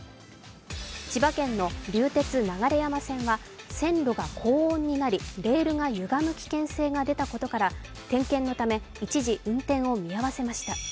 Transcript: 千葉県の流鉄流山線は線路が高温になりレールがゆがむ危険性が出たことから点検のため一時運転を見合わせました。